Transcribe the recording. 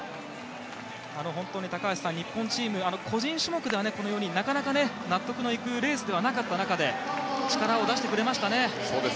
本当に高橋さんこの日本チーム、個人種目ではなかなか納得のいくレースではなかった中で力を出してくれましたね。